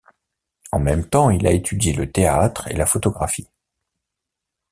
En même temps, il a étudié le théâtre et la photographie.